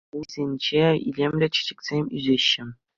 Уйсенче илемлӗ чечексем ӳсеҫҫӗ.